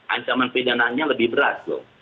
ancaman pidanannya lebih berat